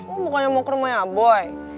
lo makanya mau ke rumahnya boy